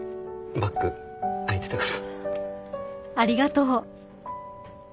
バッグ開いてたから。